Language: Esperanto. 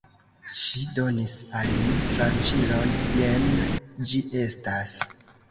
Ŝi donis al ni tranĉilon, jen ĝi estas!